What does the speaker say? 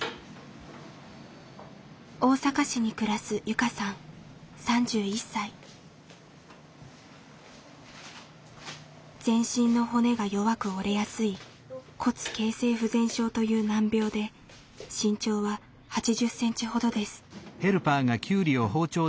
大阪市に暮らす全身の骨が弱く折れやすい「骨形成不全症」という難病で身長は８０センチほどです。